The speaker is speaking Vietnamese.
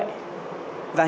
và hiện tại